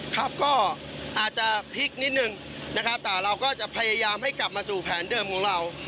ครับก็อาจจะพลิกนิดนึงนะครับแต่เราก็จะพยายามให้กลับมาสู่แผนเดิมของเรา